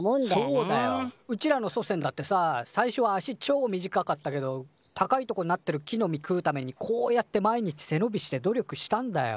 そうだようちらの祖先だってさ最初は足ちょ短かったけど高いとこなってる木の実食うためにこうやって毎日背のびして努力したんだよ。